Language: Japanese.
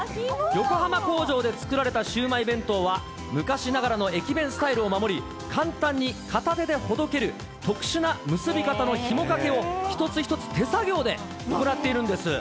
横浜工場で作られたシウマイ弁当は、昔ながらの駅弁スタイルを守り、簡単に片手でほどける特殊な結び方のひもかけを一つ一つ手作業で行っているんです。